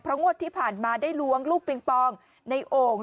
เพราะงวดที่ผ่านมาได้ล้วงลูกเปลี่ยงปองในโอ่ง